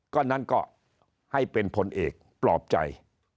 ก็นั้นก็ให้เป็นผลเอกปลอบใจ